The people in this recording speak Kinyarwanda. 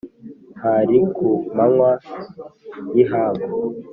_Hari ku manywa y'ihangu